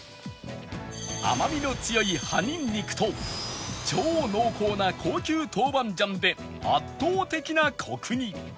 甘みの強い葉ニンニクと超濃厚な高級豆板醤で圧倒的なコクに